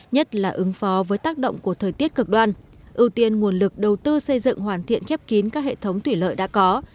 nhất là ứng phó với tác động của thời tiết cực đoan ưu tiên nguồn lực đầu tư xây dựng hoàn thiện khép kín các hệ thống thủy lợi đã có